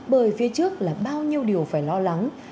bởi phía trước là bao nhiêu điều phải lo lắng